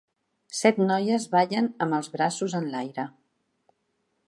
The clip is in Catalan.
set noies ballen amb els braços enlaire.